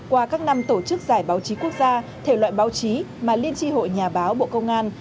qua các năm tổ chức giải báo chí quốc gia thể loại báo chí mà liên tri hội nhà báo bộ công an